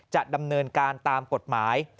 จะดำเนินการตามกฎหมาย